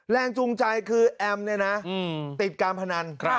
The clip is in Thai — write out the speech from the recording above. แรงจูงใจคือแอมเนี่ยนะติดการพนัน